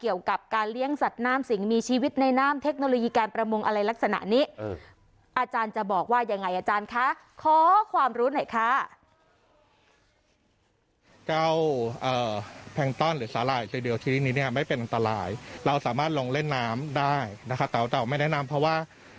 ยังไงอาจารย์คะขอความรู้หน่อยคะ